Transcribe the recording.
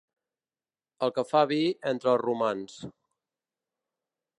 El que fa vi entre els romans.